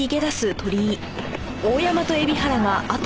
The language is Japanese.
鳥居！